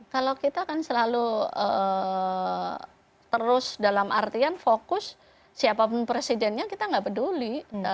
kalau kita kan selalu terus dalam artian fokus siapapun presidennya kita nggak peduli